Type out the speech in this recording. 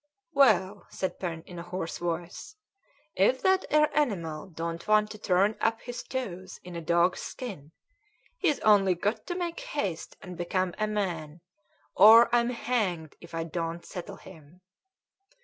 "Well," said Pen in a hoarse voice, "if that 'ere animal don't want to turn up his toes in a dog's skin, he's only got to make haste and become a man, or I'm hanged if I don't settle him."